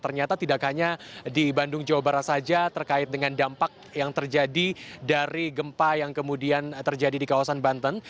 ternyata tidak hanya di bandung jawa barat saja terkait dengan dampak yang terjadi dari gempa yang kemudian terjadi di kawasan banten